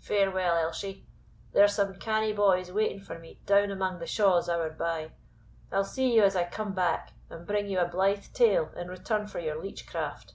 Farewell, Elshie; there's some canny boys waiting for me down amang the shaws, owerby; I will see you as I come back, and bring ye a blithe tale in return for your leech craft."